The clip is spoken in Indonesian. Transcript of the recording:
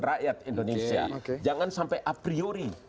rakyat indonesia jangan sampai a priori